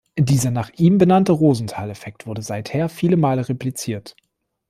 Dieser nach ihm benannte Rosenthal-Effekt wurde seither viele Male repliziert.